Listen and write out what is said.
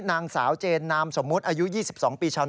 นางสาวเจนนามสมมุติอายุ๒๒ปีชาวนา